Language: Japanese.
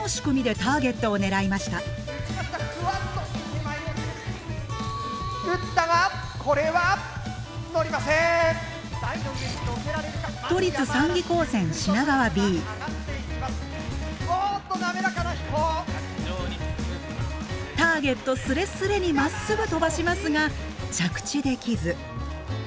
ターゲットすれすれにまっすぐ飛ばしますが着地できず。